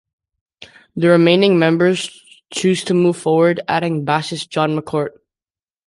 The remaining members chose to move forward adding bassist John McCourt.